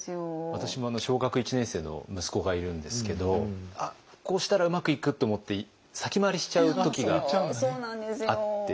私も小学１年生の息子がいるんですけどこうしたらうまくいくと思って先回りしちゃう時があって。